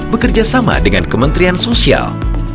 bekerjasama dengan kementrian sosial